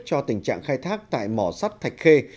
cho tình trạng khai thác tại mỏ sắt thạch khê